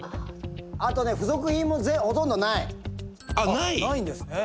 「あとね付属品もほとんどない」「ないんですね？」